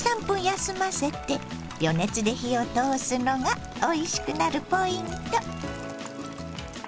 ２３分間休ませて余熱で火を通すのがおいしくなるポイント。